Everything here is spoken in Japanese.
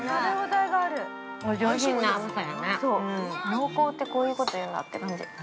濃厚ってこういうこと言うんだって感じ。